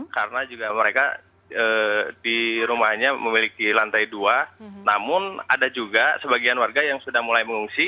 karena juga mereka di rumahnya memiliki lantai dua namun ada juga sebagian warga yang sudah mulai mengungsi